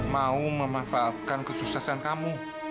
mau memanfaatkan kesuksesan kamu